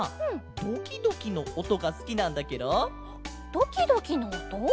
「ドキドキのおと」？